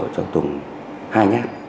trong tùng hai nhát